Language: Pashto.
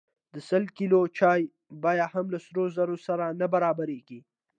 د سل کیلو چای بیه هم له سرو زرو سره نه برابریږي.